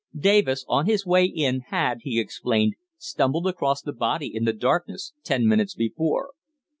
Davis, on his way in, had, he explained, stumbled across the body in the darkness, ten minutes before.